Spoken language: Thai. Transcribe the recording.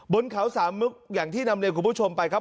บนเขาสามมุกอย่างที่นำเรียนคุณผู้ชมไปครับ